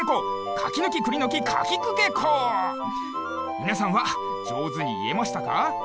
みなさんはじょうずにいえましたか？